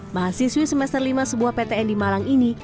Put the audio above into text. mahasiswi semester lima sebuah ptn di malang ini